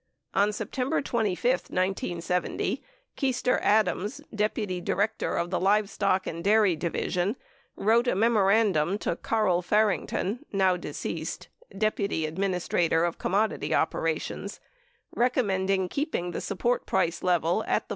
On September 25, 1970, Keister Adams, Deputy Director of the Livestock and Dairy Division, wrote a memorandum to Carl Farrington (now deceased), Deputy Adminis trator of Commodity Operations, recommending keeping the support price level at the $4.